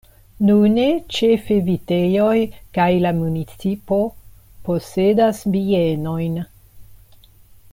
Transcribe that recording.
Nune ĉefe vitejoj kaj la municipo posedas bienojn.